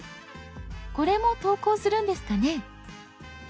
これも投稿するんですかね。